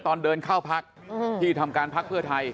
ตอนเดินเข้าพักที่ทำการพักเพื่อไทย